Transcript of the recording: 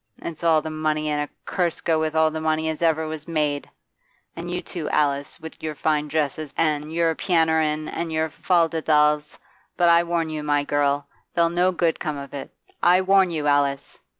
It's all the money, an a curse go with all the money as ever was made! An' you too, Alice, wi' your fine dresses, an' your piannerin', an' your faldedals. But I warn you, my girl. There 'll no good come of it. I warn you, Alice!